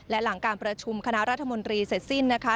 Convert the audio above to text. และหลังการประชุมคณะรัฐมนตรีเสร็จสิ้นนะคะ